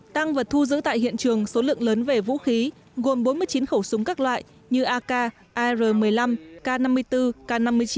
tăng vật thu giữ tại hiện trường số lượng lớn về vũ khí gồm bốn mươi chín khẩu súng các loại như ak ar một mươi năm k năm mươi bốn k năm mươi chín